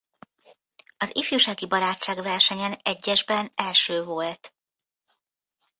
Az Ifjúsági Barátság Versenyen egyesben első volt.